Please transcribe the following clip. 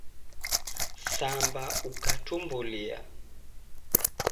Samba ukatumbulia.